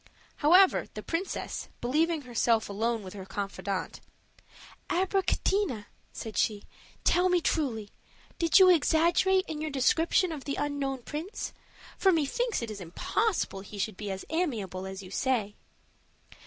However, the princess, believing herself alone with her confidante: "Abricotina," said she, "tell me truly, did you exaggerate in your description of the unknown prince, for methinks it is impossible he should be as amiable as you say?"